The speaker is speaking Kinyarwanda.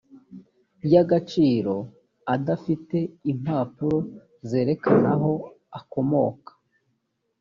y agaciro adafite impapuro zerekana aho akomoka